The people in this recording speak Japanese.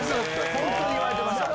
本当に言われてました。